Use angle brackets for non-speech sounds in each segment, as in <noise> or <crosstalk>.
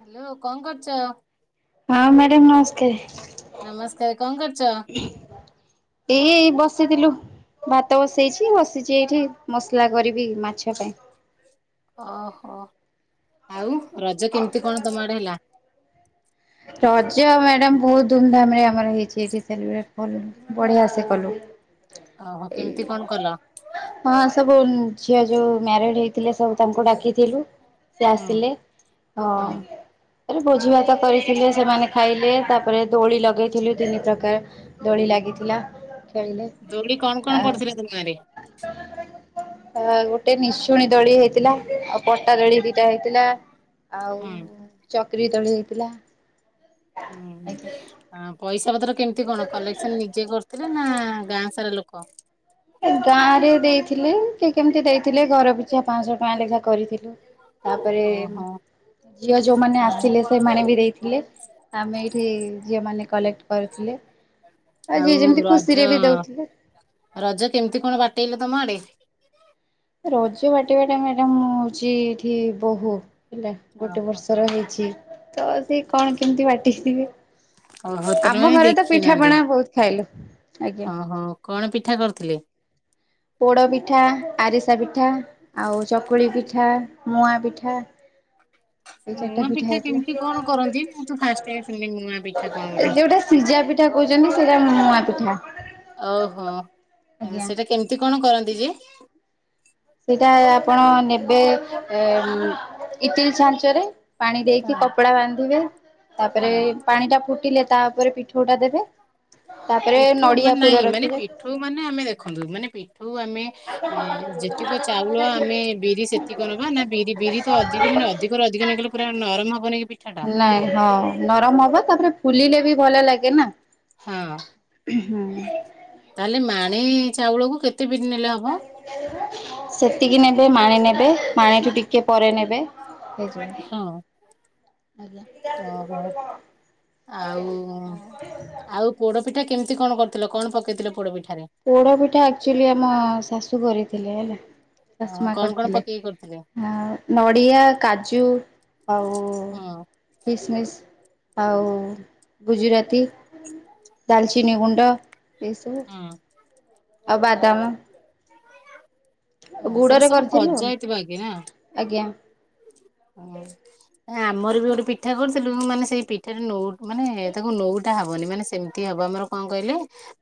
Hello କଣ କରୁ ହଁ ମ୍ୟାଡ଼ାମ କଣ କରୁଛ? ନମସ୍କାର। ଏଇ ଏଇ ବସିଥିଲୁ। ଭାତ ବସେଇଛି ବସିଛି ଏଇଠି। ମସଲା କରିବି ମାଛ। ସେପ ପାଇଁ ଓହୋ। ଆଉ ରଜ କେମିତି କଣ ତମ ଆଡେ ହେଲା? ରଜ ମ୍ୟାଡାମ ବହୁତ ଧୁମଧାମ ରେ ଆମର ହେଇଛି ଏଠି କଲ ବଢିଆ ସେ କଲୁ। ଓହୋ କେମିତି କଣ କଲ? ତ ଝିଅ ଯୋଉ ମ୍ୟାରିଡ ହେଇ ଥିଲେ ସବୁ ତାଙ୍କୁ ଡାକିଥିଲୁ ସେ ହୁଁ ଆସିଲେ ହୁଁ ହଁ। ଏଇ ଭୋଜି ଭାତ କରିକି ଥିଲେ ସେମାନେ ଖାଇଲେ ତାପରେ ଦୋଳି ଲଗେଇଥିଲୁ ତିନି ପ୍ରକାର ଦୋଳି ଲାଗିଥିଲା। ଖେଳିଲେ ଦୋଳି କଣ କଣ ଆ ପୁଥିଲେ ତୁମ ଗାଁ ରେ। ଗୋଟେ ନିଶୁଣୀ ଦୋଳି ହେଇଥିଲା ଆଉ ପଟା ଦୋଳି ଦିଟା ହେଇଥିଲା। ଆଉ ହୁଁ ଚକ୍ ତଣେ ହେଇଥିଲା। ହଁ ପଇସା ପ୍ର କେମିତି କଣ କଲେକ୍ସନ ନିଜେ କରିୁଥିଲେ ନା ଗାଁ ସାରା ଲୋକ କ ଗାଁରେ ଦେଇଥିଲେ, ସେ କେମିତି ଦେଇଥିଲେ ଘର ପଛା ପାଞ୍ଚଶ ପାଞ୍ଚ ଲେଖା କରିଥିଲୁ। ତାପରେ ଓହୋ ଝିଅ ଯୋଉମାନେ ଆଉ ଆସିଲେ ସେମାନେ ବି ଦେଇଥିଲେ, ଆମେ ଏଇଠି ଝିଅ ମାନ କଲେକ୍ଟ କରୁଥିଲେ, ଆଉ ଯିଏ ଯେମିତି ଖୁସିରେ ବି ଦଉଥିଲେ। ସେମିତି କଣ ବାଟେଇଲେ ତମ ଆଡେ। ରଜ ବାଟିବା ଟା ମ୍ୟାଡାମ ମୁଁ ହଉଛି ଏଠି ବହୁତ। ହେଲା ଗୋଟେ ଓହୋ ହଁ ବର୍ଷର ହେଇଛି, ତ ସେ କଣ କେମିତି ବାଟିଥିବେ। ଓହୋ ତାହେଲେ ଆମ ମାନେ ଘରେ ତ ଦେଖି ନାହାନ୍ତି ପିଠାପଣା ବହୁତ ଖାଇଲୁ, ଆଜ୍ଞା। ହଁ ହଁ କଣ ପିଠା କରୁଥିଲେ? ପୋଡପିଠା, ଆରିସା ପିଠା, ଆଉ ଚକୁଳି ପିଠା, ମୁଆଁ ପିଠା। ଏଇ ଚାରିଟା ମୁଆଁ ପିଠା କେମିତି କଣ କରନ୍ତି ମୁଁ ତ ଫାଷ୍ଟ ହେଇଥିଲା, ଟାଇମ ଶୁଣିଲି ମୁଆଁ ପିଠା କଣ ବୋଲି। ଯୋଉଟା ସିଝା ପିଠା କହୁଛନ୍ତି ସେଇଟା ମୁଆଁ ପିଠା। ଓହୋ ଆଜ୍ଞା ସେଇଟା କେମିତି କଣ କରନ୍ତି ଯେ? ସେଇଟା ଆପଣ ନେବେ ଇଟିଲି ଛାଞ୍ଚରେ। ପାଣି ଦେଇକି ହଁ କପଡା ବାନ୍ଧିବେ, ତାପରେ ହଁ ପାଣିଟା ଫୁଟିଲେ ତାପରେ ପି ପିଠଉ ଟା ଦେବେ ପିଠଉ ମ ନଡିଆ ପୁର ନାଇଁ ମାନେ ରଖିବେ। ପିଠଉ ମାନେ ଆମେ ଦେଖନ୍ତୁ ମାନେ ପିଠଉ ଆମେ ଏ ଯେତିକ ଚାଉଳ ଆମେ ବିରି ସେତିକ ନବା ନା ବିରି ବିରି ତ ଅଧିକ ମାନେ ଅଧିକରୁ ଅଧିକ ନେଇଗଲେ ପୁରା ନରମ ହବନି କି ପିଠାଟା। ଫୁଲିିଲେ ବି ଭଲ ଲାଗେ ନା, ହଁ ହୁଁ। ନେଇ ଚାଉଳକୁ କେତେ ବିରି ନେଲେ ହବ? ସେତିକି ନେବେ ମାଣି ନେବେ ମାଣିଠୁ ଟିକେ କିଏ ପରେ ନେବେ। ହେଉ। ହଁ। ଆଜ୍ଞା ଓହୋ ଆଉ ହଁ। ଆଉ ପୋଡପିଠା କେମିତି କରୁଥିଲ କଣ ପକେଇଥିଲେ ପୋଡ ପିଠା ପୋଡ ପିଠା ଆକଚୁଆଲି ଆମ ଶାଶୁ ଘରେ ଥିଲା ହେଲା। ହଁ ଶାଶୁମା କଣ କଣ କରିଥିଲେ ପକେଇକି କରିଥିଲେ? ନଡ଼ିଆ କାଜୁ ଆଉ ହଁ କିସମିସ୍ ଆଉ ଗୁଜୁରାତି ହଁ ଡାଲଚିନି ଗୁଣ୍ଡ ଏ ସବୁ ଆଉ ବାଦାମ ହଁ ସେଟା ଗୁଡରେ ସବୁ କରିଥିଲୁ ଭଜା ହେଇଥିବ ଆଗେ ନା? ଆଜ୍ଞା। ହଁ ଆମର ବି ଗୋଟେ ପିଠା କରୁଥିଲୁ ମାନେ ସେଇ ପିଠା ନ ମାନେ ତାକୁ ନଉଟା ହବନି ମାନେ ସେମିତି ହବ ଆମର କଣ କହିଲେ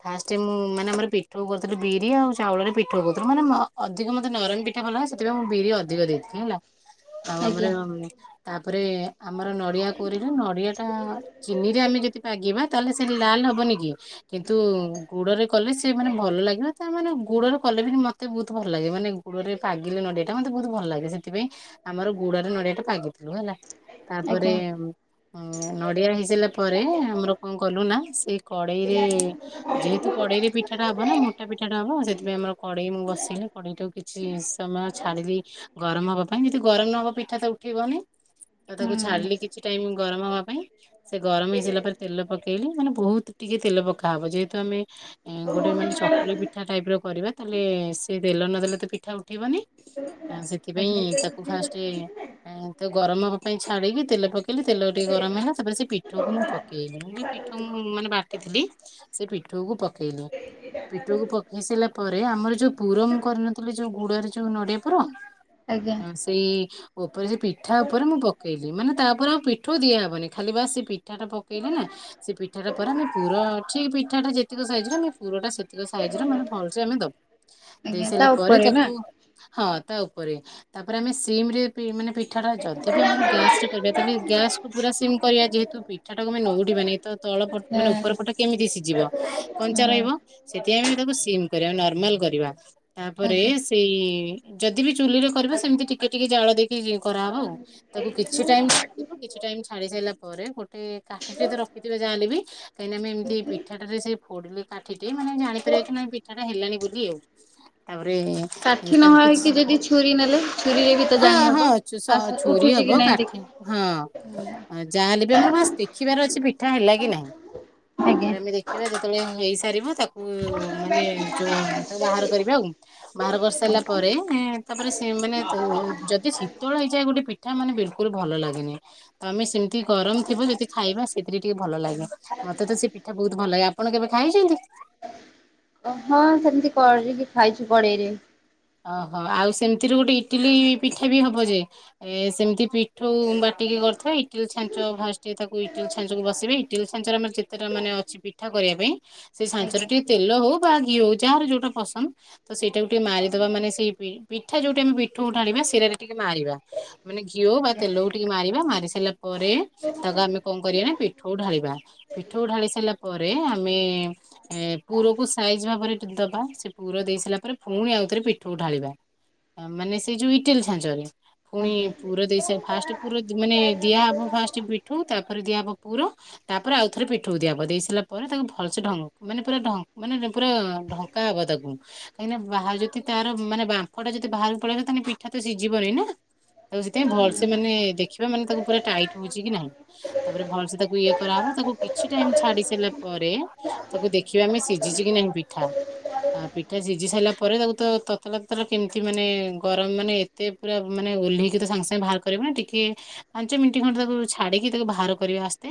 ଫାଷ୍ଟରେ ମୁଁ ମାନେ ଆମର ପିଠ କରୁଥିଲି ବିରି ଆଉ ଚାଉଳରେ ପିଠା କରୁଥିଲୁ ମାନେ ଅଧିକ ମତେ ନରମ ପିଠା ଭଲ ହଏ ସେଥିପାଇଁ ମୁଁ ବିରି ଅଧିକ ଦେଇଥିଲି ହେଲା। ଆଉ ଆମର ଆଜ୍ଞା ତା ତାପରେ ଆମର ନଡିଆ କୋରୀରେ ନଡିଆ ଟା ଚିନି ରେ ଆମେ ଯଦି ପାଗିବା ତାହେଲେ ସେଠି ଲାଲ ହବନି କି? କିନ୍ତୁ ଗୁଡରେ କଲେ ସେ ମାନେ ଭଲ ଲାଗିଲ ତା ମାନେ ଗୋଡ଼ରେ କଲେ ବି ମତେ ବହୁତ ଭଲ ଲାଗେ ମାନେ ଗୋଡ଼ରେ ପାଗିଲେ ନଡିଆା ମତେ ବହୁତ ଭଲ ଲାଗେ ସେ ସେଥିପାଇଁ ଆମର ଗୁଡରେ ନଡିଆ ଟା ପାଗିଥିଲୁ ହେଲା ତାପରେ ଆଜ୍ଞା ନଡିଆ ହେଇସାରିଲା ପରେ ଆମର କଣ କଲୁ ନା ସେଇ କଡେଇରେ ଯେହେତୁ କଡେଇରେ ପିଠାଟା ହବ ନା ମୋଟା ପିଠାଟା ହବ ସେଥିପାଇଁ ଆମର କଡେଇ ମୁଁ ବସେଇଲେ କଡେଇ ଟା କିଛି ସମୟ ଛାଡି ଦେଇ ଗରମ ହବା ପାଇଁ କି ଗରମ ନ ହବ ପିଠା ତ ଉଠିବନି। ଆଉ ତାକୁ ହୁଁ ଛାଡିଲି କିଛି ଟାଇମ ଗରମ ହବା ପାଇଁ ସେ ଗରମ ହେଇ ସାଇଲା ପରେ ତେଲ ପକେଇଲି ମାନେ ବହୁତ ଟିକେ ତେଲ ପକାହବ ଯେହେତୁ ଆମେ ଗୋଟେ ମାନେ ଚକୁଳି ପିଠା ଟାଇପ ର କରିବା ତାହେଲେ ସେ ତେଲ ନଦେଲେ ତ ପି ଉଠିବନି ଆଜ୍ଞା ସେଥିପାଇଁ ଫା ତ ଗରମ ହବା ପାଇଁ ଛାଡିକି ତେଲ ପକେଇ ତେଲ ଟିକେ ଗରମ ହେଲା ତାପରେ ସେ ପିଠଉକୁ ମୁଁ ପକେଇଲି ପିଠ ମୁଁ ମାନେ ବାଟିଥିଲି? ସେ ପିଠଉ କୁ ପକ ପକେଇଲି ପିଠୋଉକୁ ପକେଇ ସାରିଲା ପରେ ଆମର ଯୋଉ ପୁର ମୁଁ କରିନଥିଲି ଯୋଉ ଗୁଡରେ? ଯୋଉ ନୋଡିଆ ପୁର। ଆଜ୍ଞା ଆ ସେଇ ଉପରେ ସେ ପିଠା ଉପରେ ମୁଁ ପକେଇଲି ମାନେ ତାପରେ ଆଉ ପିଠୋଉ ଦିଆହବନି ଖାଲି ବାସ ସେ ପି ପିଠା ଟା ପକେଇଲେ ନା ସେ ପିଠାଟା ପରେ ଆମେ ପୁର ଠିକ ପିଠାଟା ଯେତିକ ସାଇଜ ର ଆମେ ପୁର ଟା ସେତିକ ସାଇଜ ର ମାନେ ଭଲସ ଆମେ ଦବ ଦେଇ ଆଜ୍ଞା ତା ସାରିଲା ପରେ ଉପରେ ନା ତାକୁ ହଁ ତା ଉପରେ ତାପରେ ଆମେ ସିମ ରେ ମାନେ ପି ପିଠା ଟା ଯଦି ବି ଆମର ଗ୍ୟାସ ରେ କରିବା ତାହେଲେ ଗ୍ୟାସକୁୁ ପୁରା ସିମ କରିବା ଯେହେତୁ ପିଠା ଟାକୁ ଆମେ ନଉଟିବା ନାହି ତ ତଳଟ ମାନେ ଉପର ପଟେ ହଁ କେମିତି ସିଝିବ କଞ୍ଚା ରହିବ ହଁ ସେଥିପାଇ ସିମ୍ କରିବା ନର୍ମାଲ କରିବା। ତାପରେ ଆଜ୍ଞା ସେଇ ଯଦି ବିି ଚୁଲିରେ କରିବାିବ ସେମତି ଟିକେ ଟିକ ଜାଳ ଦେଇି କରାହେବ ଆଉ ତାକୁ କିଛି ଟାଇ ଛା କିଛି ଟାଇମ ଛାଡି ସାରିଲା ପରେ ଗୋଟେ କାଠିରେ ତ ରଖିଥିବା ଜାଣିବି କାହିଁକିନା ଆମେମତି ଆଜ୍ଞା। ପିଠାଟାରେ ସେ ଫୋଡିଲେ ହଁ ଠି ମାନେ ଜାପାରିବା କି ନାାଇ ପିଠା ହେଲାଣି ବୋଲି। କିଏ ତାପରେ କାଠି ନ ତାକୁ କିଛି ହକି ଯଦି ଛୁରୀ ନେଲେ? ଛୁରୀରେ ବି ତ ହଁ ହଁ ଜାଣିହବ। ଆସ ଛୁରୀ ଉଠୁଛି ହବ କି ନାଇଁ କାଠି ଦେଖିବ ହଁ ଯାହାହେଲେ ବି ଆମର ବାସ୍ ଦେଖିବାର ଅଛି ପିଠା ହେଲା କି ନାହିଁ ଆଜ୍ଞା। ତାପରେ ଆମେ ଦେଖିବା ଯେତେବେଳେ ହେଇସାରିବ ତା ତା ମାନେ ଯୋଉ ତାକୁ ବାହାର କରିବା ଆଉ ବାହାର କରିସାରିଲା ପରେ ତାପରେ ମାନେ ଯଦି ଶୀତଳ ହେଇଯାଏ ଗୋଟେ ପିଠା ମାନେ ବିଲକୁଲ ଭଲ ଲାଗେନି ତ ଆମେ ସେମ ଗରମ ଥିବ ଯଦି ଖାଇବା ସେଥିରେ ଟିକେ ଭଲ ଲାଗେ ମତେ ତ ସେ ପିଠା ବହୁତ ଭଲ ଲାଗେ ଆ ଆପଣ କେବେ ଖାଇଛନ୍ତି? ଓ ହଁ ସେମିତି କରିକି ଖାଇଛୁ ପଡେଇରେ ଓହୋ ଆଉ ସେମିତିରେ ଗୋଟେ ଇଟିଲି ପିଠା ବି ହବ ଯେ ଏ ସେମିତି ପିଠୋ ବାଟିକି କରିଥିବା ଇଟିଲୀ ଛାଞ୍ଚ ଫାଷ୍ଟ ତାକୁ ଇଟିଲୀ ଛାଞ୍ଚକୁ ବସିବେ ଇଟିଲୀ ଛାଞ୍ଚରେ ଆମର ଯେତେଟା ମାନେ ଅଛି ପିଠା କରିବା ପାଇଁ ସେଇ ସାଞ୍ଚର ଆଜ୍ଞା ଟିକେ ତେଲ ହଉ ବା ଘି ଯା ର ଯୋଉଟା ପସନ୍ଦ ତ ସେଇଟା ଗ ଟିକେ ମାରି ବା ମାନେ ପିଠା ଯୋଉଠି ଆମେ ପିଠ ଢାଳିବା ସିରାରେ ଟିକେ ମାରିବା ମାନେ ଘିଅ ବା ଆଜ୍ଞା ତେଲକୁ ଟିକେ ମାରିବା ମାରି ସାରିଲା ପରେ ତାକୁ ଆମେ କଣ କରିବା ନା ପିଠ ଢାଳିବା ପିଠ ଢାଳି ସାରିଲା ପରେ ଆମେ ପୁରକୁ ସାଇଜ ଭାବରେ ଦବା ସେ ପୁର ଦେଇ ସାରିଲା ପରେ ପୁଣି ଆଉ ରେ ପିଠୋଉ ଢାଳିବା ମାନେ ସେଇ ଯୋଉ ଇଟେଲ ଛାଞ୍ଚରେ ପୁଣି ଆଜ୍ଞା। ପୁର ଦେଇଶ ଫାଷ୍ଟ ପୁର ମାନେ ଦିଆହବ ଫାଷ୍ଟ ପିଠୁଉ ତା ଦିଆ ହବ ପୁରା ତାପରେ ଆଉଥରେ ପିଠାକୁ ଦିଆହବ ଦେଇ ସାରିଲା ପରେ ତାକୁ ଭଲସେ ମାନେ ପୁରା ମାନେ ପୁରା ଢଙ୍କା ହବ ତାକୁ କାହିଁକିନା ବାହ ଯଦି? ତାର ମାନେ ବାମ୍ପ ଟା ଯଦି ବାହାରକୁ ପଳେଇ ତାେଲେ ପିଠା ତ ସିଝିବନି ନା ତାକୁ ସେଥିାଇଁ ଭଲସେ ମାନେ ଦେଖିବା ମାନେ ତାକୁ ପୁରା ଟାଇଟ ହଉଛି କି ନାହିଁ ତାପରେ ଭଲସେ ତାକୁ ଇଏ କରାହବ ତାକୁ କିଛି ଟାଇମ ଛାଡି ସାରିଲା ପରେ ତାକୁ ଦେଖିବା ଆମେ ସିଝିଛି କି ନାହିଁ ପିଠା ପିଠା ସିଝି ସାରିଲା ପରେ ତାକୁ ତ ତତଲା ତତଲ କେମିତି ମାନେ ଗରମ ମାନେ ଏତେ ପୁରା ମାନେ ଓହ୍ଲେଇକି ତ ସାଙ୍ଗେ ସାଙ୍ଗେ ବାହାର କରିବ ନା ଟିକେ ପାଞ୍ଚ ମିନିଟ ଖଣ୍ଡଟେ ତାକୁ ଛାଡିକି ତାକୁ ବାହାର କରିବା ଆସ୍ତେ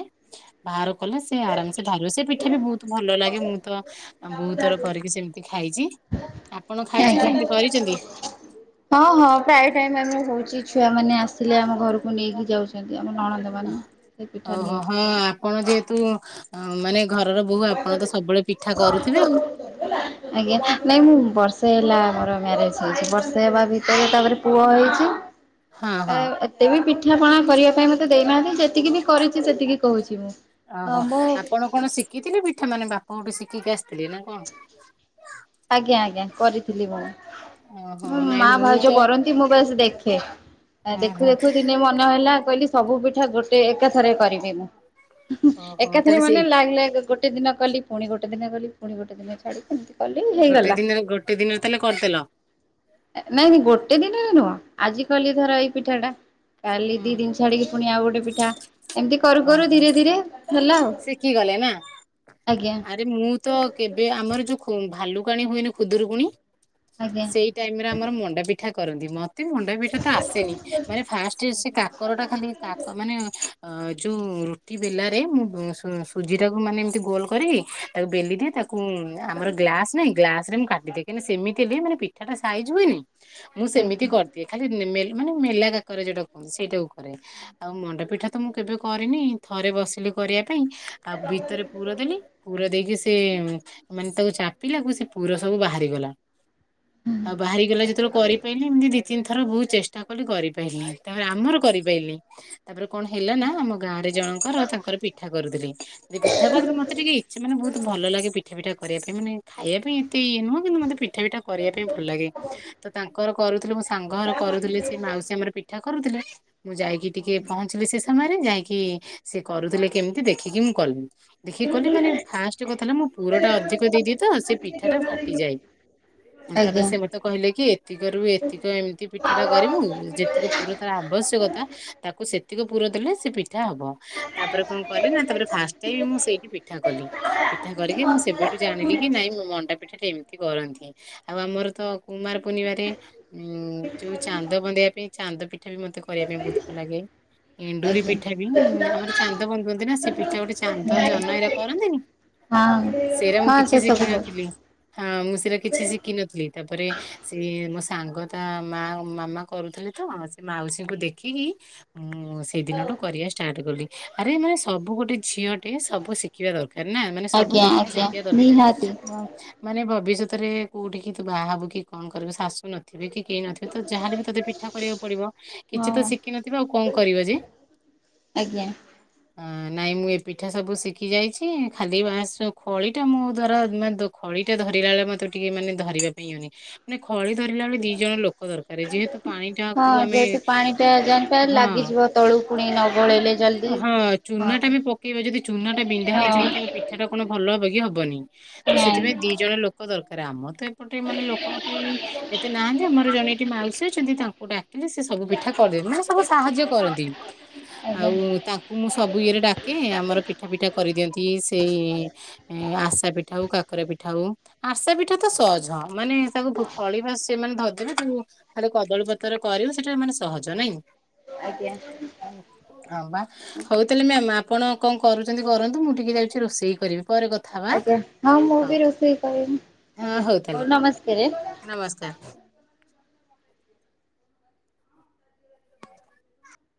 ବାହାର କଲେ ସେ ଆରାମସେ ହାରିବ ସେ ପିଠା ବି ବହୁତ ଭଲ ଲାଗେ ମୁଁ ତ ଆମ ବୋଉ ଆଉ ବହୁତ ଥର କରିକି ସେମିତି ଖାଇଛି ଆ କଣ ଖାଇଛନ୍ତି ଆଜ୍ଞା। ସେମିତି କରିଛନ୍ତି ଛୁଆମାନେେ ଆସିଲେ ଆମ ଘରକୁ ନେଇକି ଯାଉଛନ୍ତି। ଆମ ନଣନ୍ଦ ମାନେ। ସେ ପିଠା ଓହୋ ନେଇକି ହ ଯାଆନ୍ତି। ଆପଣ ଯେହେତୁ ହଁ ମାନେ ଘରର ବୋହୂ ଆପଣ ତ ସବୁବେଳେ ପିଠା କରୁଥିବେ ଆଉ। ଆଜ୍ଞା ନାଇଁ ମୁଁ ବର୍ଷେ ହେଇଲା ମମୋର ମ୍ୟାରେଜ ହେଇଛି ବର୍ଷ ହେବା ଭି ଏ ତାପରେ ପୁଅ ହେଇଛି। ହଁ ହଁ ଏ ଏତେ ବି ପି ପିଠାପଣା କରିବା ପାଇଁ ମୋତେ ଦେଇନାହାନ୍ତି। ଯେତିକି ବି କରିଛି ସେତିକି କହୁଛି ମୁଁ। ହଁ ଓହୋ ମୁଁ ଆପଣ କଣ ଶିଖିଥିଲେ ବି ପିଠା ମାନେ ବାପା ଘରଠୁ ଶିଖିକି ଆସିଥିଲେ ନା କଣ? ଆଜ୍ଞା ଆଜ୍ଞା କରିଥିଲି ମୁଁଁ ଓହୋ ନାଇଁ ।ମା ମୁଁ ଭାଉଜ ତ କରନ୍ତି ମୁଁ ବସ ଦେଖ। <unintelligible> ଆ ଦେଖୁ ଓହୋ ଦେଖୁ ଦିନେ ମନ ହେଲା କହିଲି ସବୁ ପିଠା ଗୋଟେ ଏକା ଥରେ କରିବି ମୁଁ। ଓହୋ ଏକାଥରେ ତାହେଲେ ସେ ମାନେ ଲାଗ୍ ଲାଗ୍ ଗୋଟେ ଦିନ କଲି ପୁଣି ଗୋଟେ ଦିନ କଲି ପୁଣି ଗୋଟେ ଦିନ ଛାଡ଼ି ଏମତି ଗୋଟେ ଦିନରେ ଗୋଟେ ଦିନରେ ତାହେଲେ କରିଦେଲ? ନାଇଁ ନାଇଁ ଗୋଟେ ଦିନରେ ନୁହଁ ଆଜି କଲି ଧର ଏଇ ପିଠା ଟା କାଲି ଦି ହୁଁ ଦିନ ଛାଡିକି ପୁଣି ଆଉ ଗୋଟେ ପିଠା। ଏମିତି କରୁ କରୁ ଓହୋ ଧୀରେ ଧୀରେ ହେଲା ଆଉ ସିକି ଗଲେ ନା, ଆଜ୍ଞା ଆରେ ମୁଁ ତ କେବେ ଆମର ଯୋଉ ଖୁ ଭାଲୁ କାଣି ହୁଏନି ଖୁଦୁରୁକୁୁଣି ଆଜ୍ଞା। ସେଇ ଟାଇମ ରେ ଆମର ମଣ୍ଡା ପିଠା କରନ୍ତି ମ ମତେ ମଣ୍ଡା ପିଠା ତ ଆସେନି। ମାନେ ଫାଷ୍ଟ ସେ ଆଜ୍ଞା କାକର ଟା ଖାଲି କାକ ମାନେ <unintelligible> ଯୋଉଁ ରୁଟି ବେଲାରେ ମୁଁ ସୁଜି ଟାକୁ ମାନେ ଏମିତି ଗୋଲ କରି ତାକୁ ବେଲି ଦିଏ ତାକୁ କୁ ଆମର ଗ୍ଲାସ ନାଇଁ ଗ୍ଲାସ ସେମିତି କାଟିଦିଏ କିନ୍ତୁ ସେମିତି ବି ମାନେ ପିଠା ଟା ସାଇଜ ହୁଏନି। ମୁଁ ସେମିତି କରିଦିଏ ଖାଲି। <unintelligible> ମାନେ ମେଲା କାକରା ଯୋଉଟା କୁହନ୍ତି ସେଇଟାକୁ କରେ। ଆଉ ମଣ୍ଡପିଠା ତ ମୁଁ କେବେ କରିନି ଥରେ ବସିଲି କରିବା ପାଇଁ ଆଉ ଭିତରେ ପୁର ଦେଲି ପୁର ଦେଇକି ସେ ମାନେ ତାକୁ ଚା <unintelligible> ସେ ପୁର ସବୁ ବାହାରିଗଲା। ଆଉ ବାହାରି ଗଲା ଯେତେବେଳେ କରିପାଇଲିନି ଏମିତି ଦି ତିନି ଥ ଥରେ ବହୁତ ଚେଷ୍ଟା କଲି କରିପାରଲିିନି। ତାପରେ ଆମର କରିପାଇଲିି। ତାପରେ କଣ ହେଲା ନା ଆମ ଗାଁରେ ଜଣଙ୍କର ତାଙ୍କର ପିଠା କରୁଥିଲେ। ଯଦି ପିଠା କରୁଥିଲେ ମତେ ଟିକେ ଇଚ୍ଛା ମାନେବହୁତ ଭଲ ଲାଗେ ପିଠା ପିଠା କରିବା ପାଇଁ ମାନେ ଖାଇବା ପାଇଁ ତି ନୁହଁ କିନ୍ତୁ ମତେ ପିଠା ପିଠା କରିବା ପାଇଁ ଭଲ ଲାଗେ। ତ ତାଙ୍କ କରୁ କରୁଥିଲୁ ବସି ସାଙ୍ଗଘର କରୁଥିଲେ ସେ ମାଉସୀ ଆମର ପିଠା କରୁଥିଲେ। ମୁଁ ଯାଇକି ଟିକେ ପହଞ୍ଚିଲି ସେ ଯାଇକି ସେି କରୁଥିଲେ କେମିତି ଦେଖିକି ମୁଁ କଲିି ଦେଖିକି କଲି ମାନେ ଫାଷ୍ଟ କଥା ହେଲା ମୁଁ ପୁର ଟା ଅଧିକ ଦେଇଦିଏ ତ ସେ ପିଠା ଟା ଫାଟିଯାଏ ତାପରେ ଆଜ୍ଞା। ସେ ମତେ କହିଲେ କି ଏତିକରୁ ଏତିକ ଏମିତି ପିଠା ଟା କରିବୁ ଯେତିକି ପୁର ତାର ଆବଶ୍ୟକତା ତାକୁ ସେତିକି ପୁର ଦେଲେ। ସେ ପିଠା ହବ ତାପରେ କଣ କଲି ନା ତାପରେ ଫାଷ୍ଟ ଟାଇମ ମୁଁ ସେଇଠି ପିଠା କଲି ପିଠା କରିକି ମୁଁ ସେବେଠୁ ଜାଣିଲି କି ନାଇଁ ମୋ ମଣ୍ଡା ପିଠା ଟେ ଏମିତି କରନ୍ତି। ଆଉ ଆମର ତ କୁମାର ପୂର୍ଣ୍ଣିମାରେ ଉଁ ଯୋଉ ଚାନ୍ଦ ବଧେଇବା ପାଇଁ ଚାନ୍ଦ ପିଠା ବି ମତେ କରିବା ପାଇଁ ବହୁତ ଭଲ ଲାଗେ। ଡୁରି ପିଠା ବି ଆମର ଚାନ୍ଦ ବନ୍ୁନ୍ତି ନା ସେ ସେ ଗୋଟେ ଚାନ୍ଦ ଜହନ ଏଇଟରା କରନ୍ତିନି ହଁ ସେରାମ ହଁ କିଛି ସେ ସବୁ ଶିଖିନଥିଲି। ହଁ ମୁଁ ସେଇଟା କିଛି ଶିଖିନଥିଲି ତାପରେ ସେିଏ ମୋ ସାଙ୍ଗ ତା ମା ମାମା କରୁଥିଲେ ତ ସେ ମାଉସୀଙ୍କୁ ଦେଖିକି ମୁଁ। ସେଇ ଦିନ ଟୁ କରିବା ଷ୍ଟାର୍ଟ କଲି ଆରେ ମାନେ ସବୁ ଗୋଟେ ଝିଅ ଟେ ସବୁ ଶିଖିବା ଦରକାର। ର ନା ମାନେ ସବୁ ଆଜ୍ଞା ପିଠା ଆଜ୍ଞା ଶିଖିବା ନିହାତି ଦରକାର ମାନେ ଭବିଷ୍ୟତରେ କୋଉଠି କି ତୁ ବାହାବୁ କି କଣ କରିବୁ ଶାଶୁ ନଥିବେ କି କେହି ନଥିବେ। ତ ତ ଯାହାହଲେ ବି ତୋତେ ପିଠା କରିବାକୁ ପଡିବ କିଛି ତ ହଁ ଶିଖିିନଥିବ ଆଉ କଣ କରିବ ଯେ ଆଜ୍ଞା। ଅ ନାଇଁ ମୁଁ ଏ ପିଠା ସବୁ ଶିଖି ଯାଇଛି ଖାଲି ଖଳି ଟା ମୋ ଦ୍ଵାରା ଖଳିଟା ଧରିଲା ବେଳେ ମତେ ଟିକେ ମାନେ ଧରିବା ପାଇଁ ହନି ମାନେ ହଳି ଧରିଲା ବେଳେ ଦି ଜଣ ଲୋକ ଦରକାର ଯେହେତୁ ହଁ ପାଣିଟାକୁ ଆମେ ଯେହେତୁ ପାଣି ଟା ଜାଣିପାର ହଁ। ଲାଗିଯିବ ତଳୁ ପୁଣି ନ? ଗୋଳେଇଲେ ଜଲ୍ଦି। ହଁ ହଁ ଚୁନା ହଁ ନାଇଁ ଟାମ ପକେଇବା ଯଦି ଚୁନା ଟା ବିନ୍ଧା ଆଜ୍ଞା। ହେଇଯିବ ତବେ ପିଠା ଟା କଣ ଭଲ ହେବ କି ହବନିଁ ତ ସେଥିପାଇଁ ଦି ଜଣ ଲୋକ ଦରକାର। ରାମ ତ ଏପଟେ ମାନେ ଲୋକ ବି ଏତେ ନାହାନ୍ତି ଆମର ଜଣେ ଏଠି ମାଉସୀ ଅଛନ୍ତି ତାଙ୍କ କୁଡ଼ା ହେଲେ ସେ ସବୁ ପିଠା କରିଦିଅନ୍ତି, ମାନେ ସବୁ ସାହାଯ୍ୟ କରନ୍ତି। ଆଜ୍ଞା ଆଉ ତାଙ୍କୁ ମୁଁ ସବୁ ଇଏରେ ଡାକେ ଆମର ପିଠା ପିଠା କରିଦିଅନ୍ତି, ସେଇ ଆଶା ପିଠା ହଉ କା ପିଠା ହଉ ଆସା ପିଠା ତ ସହଜ। ମାନେ ତାକୁ ଖଳି ଭାସେ ମାନେ ଧ ଯୋଉ ଖାଲି କଦଳୀପତର କରିବୁ ସେଇଟା ମାନେ ସହଜ, ନାଇଁ ଆଜ୍ଞା ହଁ ବା ହଉଥିଲେ ମ୍ୟାମ ଆପଣ କଣ କରୁଛନ୍ତି କରନ୍ତୁ, ମୁଁ ଟିକେ ଯାଉଛି ରୋଷେଇ କରିବି। ପରେ କଥା ହବା ଆଞା ହଁ ମୁଁ ହଉ ବି ରୋଷେଇ କରିବି ହଁ ତାହେଲେ ହଉ ନମସ୍କାର। ନମସ୍କାର।